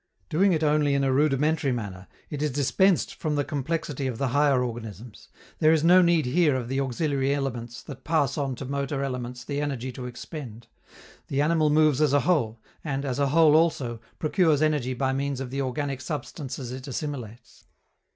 Doing it only in a rudimentary manner, it is dispensed from the complexity of the higher organisms; there is no need here of the auxiliary elements that pass on to motor elements the energy to expend; the animal moves as a whole, and, as a whole also, procures energy by means of the organic substances it assimilates.